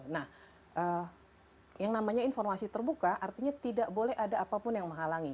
nah yang namanya informasi terbuka artinya tidak boleh ada apapun yang menghalangi